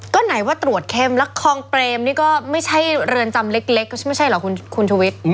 ก็ไหนว่าตรวจเข้มแล้วคลองเปรมนี่ก็ไม่ใช่เรือนจำเล็กไม่ใช่เหรอคุณชุวิต